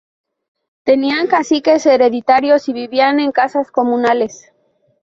Tenían caciques hereditarios y vivían en casas comunales.